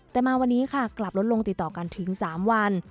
แต่มาวันนี้ค่ะกลับลดลงติดต่อกันถึง๓วัน